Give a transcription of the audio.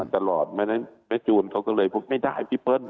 มันตลอดแม่จูนเขาก็เลยบอกไม่ได้พี่เปิ้ล